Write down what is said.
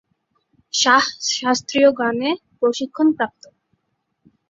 শাহ শাস্ত্রীয় গানে প্রশিক্ষণপ্রাপ্ত।